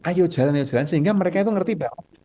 ayo jalan jalan sehingga mereka itu ngerti bang